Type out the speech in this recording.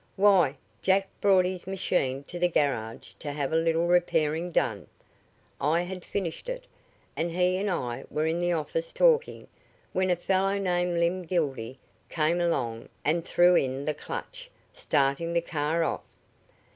"Why, Jack brought his machine to the garage to have a little repairing done. I had finished it, and he and I were in the office talking, when a fellow named Lem Gildy came along and threw in the clutch, starting the car off.'